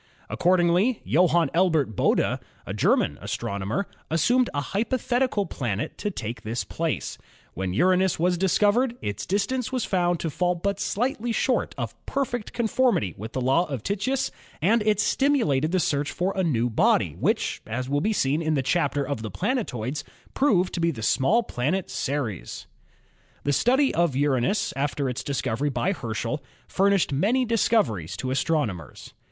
Accordingly Johann Elbert Bode (1747 1826), a German astronomer, assumed a hypotheti cal planet to take this place. When Uranus was discov ered its distance was found to fall but slightly short of perfect conformity with the law of Titius, and it stimu THE SOLAR SYSTEM 83 Fig. 14 — Comparative Sizes of the Planets. lated the search for a new body, which, as will be seen in the chapter on the planetoids, proved to be the small planet Ceres. The study of Uranus after its discovery by Herschel furnished many difficulties to astronomers.